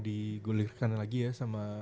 digulirkan lagi ya sama